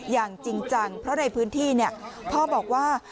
อย่างจริงจังเพราะในพื้นที่พ่อบอกว่า